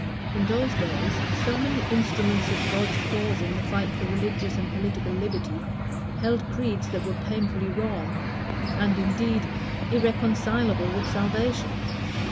In those days so many instruments of God's cause in the fight for religious and political liberty held creeds that were painfully wrong, and, indeed, irreconcilable with salvation!